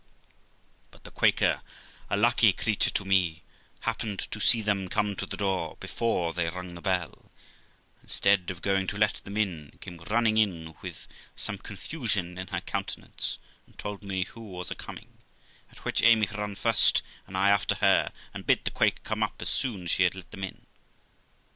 But the Quaker, a lucky creature to me, happened to see them come to the door, before they rung the bell, and, instead of going to let them in, came running in with some confusion in her countenance, and told me who was a coming; at which Amy run first and I after her, and bid the Quaker come up as soon as she had let them in.